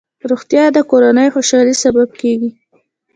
روغتیا د کورنۍ خوشحالۍ سبب کېږي.